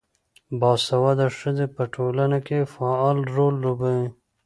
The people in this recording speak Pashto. باسواده ښځې په ټولنه کې فعال رول لوبوي.